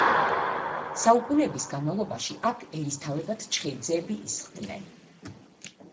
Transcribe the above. საუკუნეების განმავლობაში აქ ერისთავებად ჩხეიძეები ისხდნენ.